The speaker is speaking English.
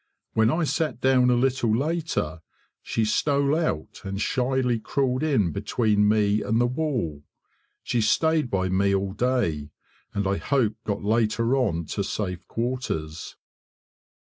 When I sat down a little later, she stole out and shyly crawled in between me and the wall; she stayed by me all day, and I hope got later on to safe quarters.